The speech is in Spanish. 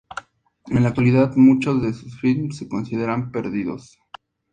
En la actualidad, muchos de sus filmes se consideran perdidos.